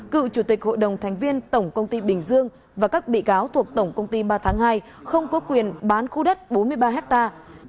cựu chủ tịch hội đồng thành viên tổng công ty bình dương và các bị cáo thuộc tổng công ty ba tháng hai không có quyền bán khu đất bốn mươi ba hectare